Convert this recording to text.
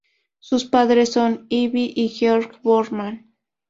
Sus padres son Ivy y George Boorman.